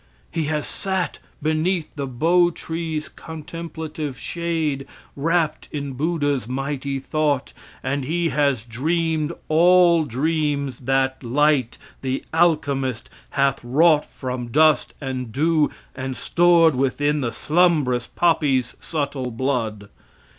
He has sat beneath the bo tree's contemplative shade, rapt in Buddha's mighty thought, and he has dreamed all dreams that light, the alchemist, hath wrought from dust and dew and stored within the slumbrous poppy's subtle blood.